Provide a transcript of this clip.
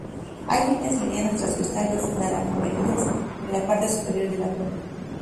Hay líneas medianas transversales naranja-amarillas en la parte superior del abdomen.